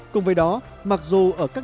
cùng với đó mặc dù ở các